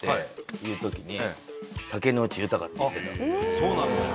そうなんですか。